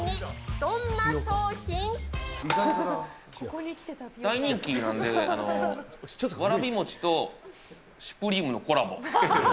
どんな商大人気なんで、わらびもちとシュプリームのコラボ。